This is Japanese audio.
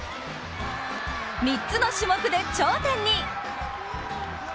３つの種目で頂点に。